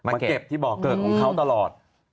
มาเก็บที่บ่อเกิดของเขาตลอด